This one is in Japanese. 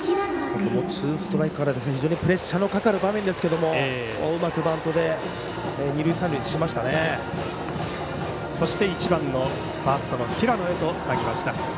ツーストライクから非常にプレッシャーのかかる場面ですけどうまくバントでそして１番のファーストの平野へとつなぎました。